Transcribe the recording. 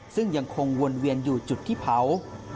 ซึ่งยังคงวนเวียนอยู่จุดที่เผา